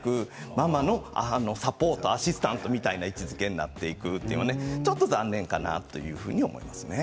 ママのサポート、アシスタントみたいな位置づけになっていくのが残念かなと思います。